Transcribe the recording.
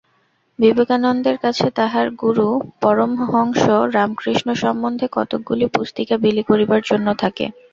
বিবেকানন্দের কাছে তাঁহার গুরু পরমহংস রামকৃষ্ণ সম্বন্ধে কতকগুলি পুস্তিকা বিলি করিবার জন্য থাকে।